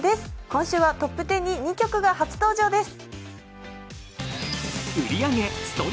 今週はトップ１０に２曲が初登場です